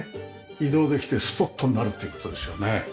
移動できてスポットになるって事ですよね。